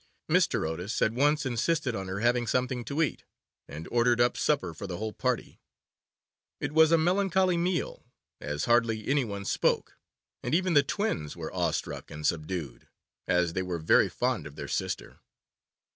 Mr. Otis at once insisted on her having something to eat, and ordered up supper for the whole party. It was a melancholy meal, as hardly any one spoke, and even the twins were awestruck and subdued, as they were very fond of their sister.